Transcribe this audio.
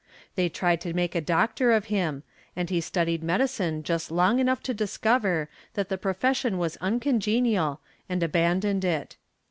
They tried to make a doctor of him, and he studied medicine just long enough to discover that the profession was uncongenial, and abandoned it.